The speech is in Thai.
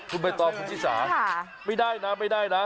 คุณไปต่อคุณที่สาไม่ได้นะไม่ได้นะ